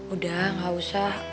udah gak usah